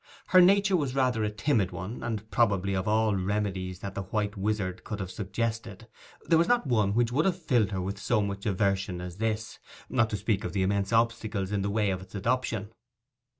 Her nature was rather a timid one; and probably of all remedies that the white wizard could have suggested there was not one which would have filled her with so much aversion as this, not to speak of the immense obstacles in the way of its adoption.